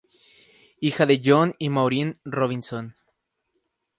Hija de John y Maureen Robinson.